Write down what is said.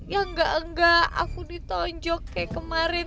ya enggak enggak aku ditonjok kayak kemarin